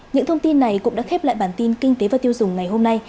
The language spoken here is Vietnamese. những thông tin này cũng đã khép lại bản tin kinh tế và tiêu dùng ngày hôm nay